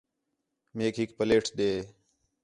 میک ہِک پلیٹ ݙے